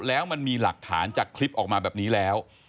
แล้วมันมีหลักฐานจากคลิปออกมาแบบนี้แล้ว